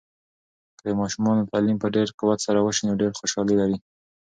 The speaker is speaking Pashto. که د ماشومانو تعلیم په ډیر قوت سره وسي، نو ډیر خوشحالي لري.